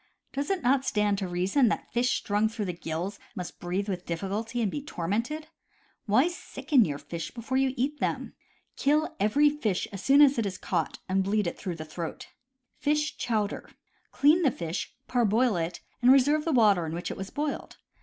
Does it not stand to reason that fish strung through the gills must breathe with difficulty and be tormented? Why sicken your fish before you eat them ? Kill every fish as soon as caught and bleed it through the throat. Fish Chowder. — Clean the fish, parboil it, and re serve the water in which it was boiled.